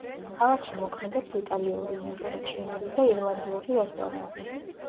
ქალაქში მოქმედებს იტალიური, ინდური, ჩინური და ირლანდიური რესტორნები.